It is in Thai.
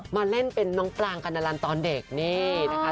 มาเล่นเป็นน้องปรางกัณลันตอนเด็กนี่นะคะ